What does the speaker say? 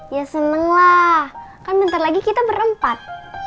ya seneng lah kan bentar lagi kita berempat